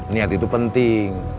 niat itu penting